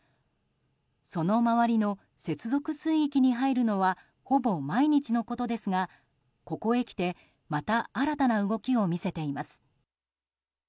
その周りの接続水域に入るのはほぼ毎日のことですがここへきてまた新たな動きを見せています。